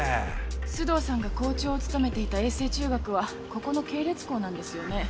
須藤さんが校長を務めていた瑛成中学はここの系列校なんですよね。